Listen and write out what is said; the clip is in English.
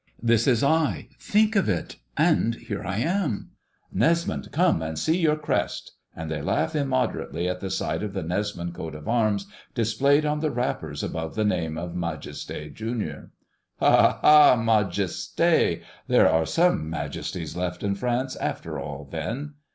"This is I; think of it! And here I am!" "Nesmond, come and see your crest!" and they laugh immoderately at the sight of the Nesmond coat of arms displayed on the wrappers above the name of Majesté, Jr. "Ha, ha, ha! Majesté! There are some majesties left in France after all, then!"